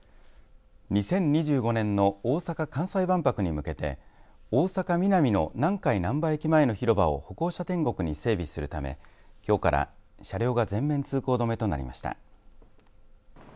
２０２５年の大阪・関西万博に向けて大阪・ミナミの南海なんば駅前の広場を歩行者天国に整備するためきょうから車両が全面通行止めとなりました。